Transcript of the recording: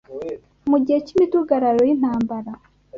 Mu gihe cy’imidugararo y’intambara